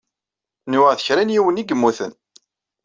Nwiɣ d kra n yiwen i yemmuten.